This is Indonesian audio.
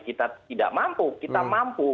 kita tidak mampu kita mampu